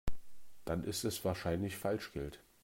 Dann ist es wahrscheinlich Falschgeld.